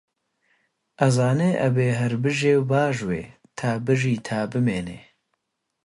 ئەزانێ ئەبێ هەر بژێ و باژوێ، تا بژی تا بمێنێ